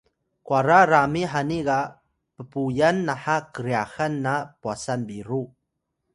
kwara rami hani ga ppuyan naha kryaxan na pwasan biru